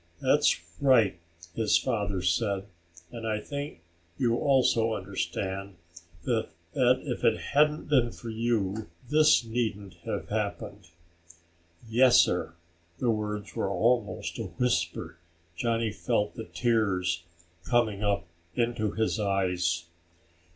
"That's right," his father said. "And I think you also understand that if it hadn't been for you, this needn't have happened." "Yes, sir." The words were almost a whisper. Johnny felt the tears coming up into his eyes.